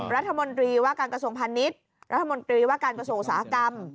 รัฐมนตรีว่าการกระทรวงพาณิชย์รัฐมนตรีว่าการกระทรวงอุตสาหกรรม